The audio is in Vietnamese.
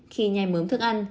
khi nhai mớm thức ăn